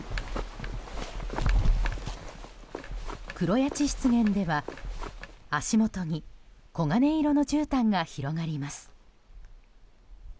黒谷地湿原では、足元に黄金色のじゅうたんが広がります。